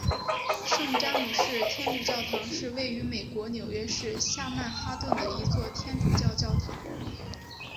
圣詹姆士天主教堂是位于美国纽约市下曼哈顿的一座天主教教堂。